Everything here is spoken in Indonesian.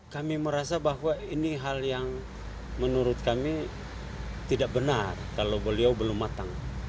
kami merasa bahwa ini hal yang menurut kami tidak benar kalau beliau belum matang